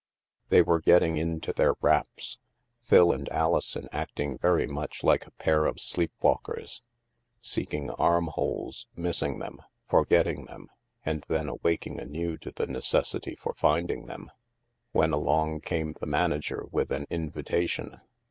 They were getting into their wraps — Phil and Alison acting very much like a pair of sleepwalkers — seeking armholes, missing them, forgetting them, and then awaking anew to the necessity for finding them — when along came the manager with an in vitation.